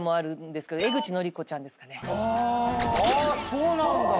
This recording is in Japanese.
あそうなんだ。